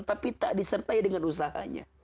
tapi tak disertai dengan usahanya